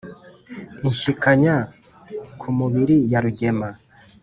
„inshyikanya ku mubiri ya rugema